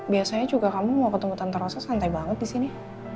biasanya juga kamu mau ketemu tanpa rasa santai banget disini